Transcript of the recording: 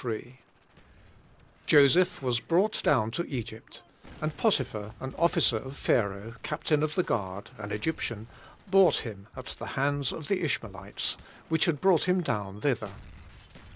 — Joseph zvas brought do7un to Egypt; and Potiphar, an officer of Pharaoh, captain of the guard, an £(ryptian, bought him at the hands of the Ishmaelites, which had brought him down thither.